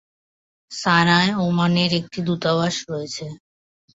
সানায় ওমানের একটি দূতাবাস রয়েছে।